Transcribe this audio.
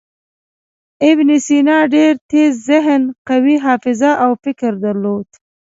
ابن سینا ډېر تېز ذهن، قوي حافظه او فکر درلود.